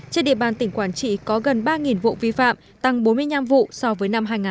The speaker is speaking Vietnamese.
trên địa bàn tỉnh quảng trị có gần ba vụ vi phạm tăng bốn mươi năm vụ so với năm hai nghìn một mươi tám